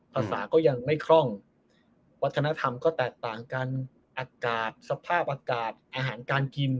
ภาษาก็ยังไม่คล่องวัฒนธรรมก็แตกต่างกันอากาศสภาพอากาศอาหารการกิน